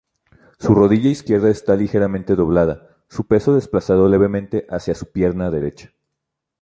Su rodilla izquierda está ligeramente doblada, su peso desplazado levemente hacia su pierna derecha.